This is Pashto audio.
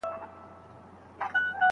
استاد د څېړني په ډګر کي پراخه پوهه لري.